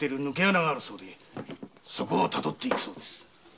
そこを辿って行くそうです。